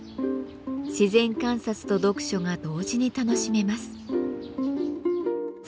自然観察と読書が同時に楽しめます。